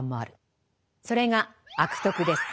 それが「悪徳」です。